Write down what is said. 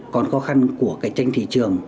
còn khó khăn của tranh thị trường